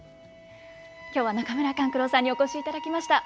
今日は中村勘九郎さんにお越しいただきました。